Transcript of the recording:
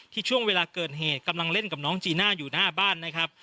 ช่วงเวลาเกิดเหตุกำลังเล่นกับน้องจีน่าอยู่หน้าบ้านนะครับ